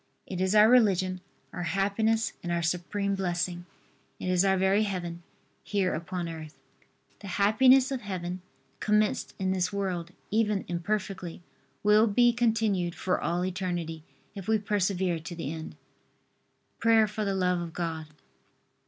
It is our religion, our happiness and our supreme blessing. It is our very Heaven, here upon earth. The happiness of Heaven, commenced in this world even imperfectly, will be continued for all eternity, if we persevere to the end. PRAYER FOR THE LOVE OF GOD.